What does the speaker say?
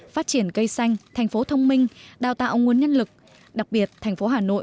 phát triển cây xanh thành phố thông minh đào tạo nguồn nhân lực đặc biệt thành phố hà nội